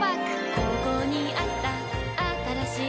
ここにあったあったらしい